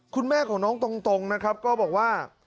คุณแม่ของน้องตรงนะครับก็บอกว่า